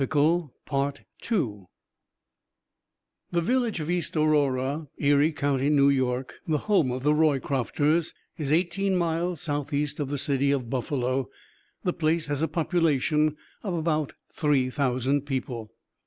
The village of East Aurora, Erie County, New York, the home of The Roycrofters, is eighteen miles southeast of the city of Buffalo. The place has a population of about three thousand people.